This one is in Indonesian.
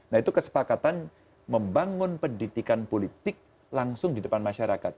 nah itu kesepakatan membangun pendidikan politik langsung di depan masyarakat